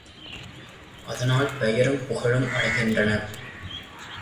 அதனால் பெயரும் புகழும் அடைகின்றனர்.